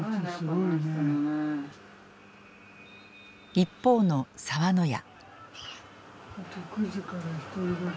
一方の澤の屋。